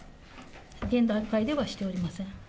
現段階ではしておりません。